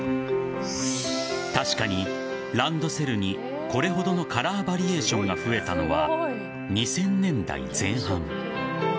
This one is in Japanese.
確かに、ランドセルにこれほどのカラーバリエーションが増えたのは２０００年代前半。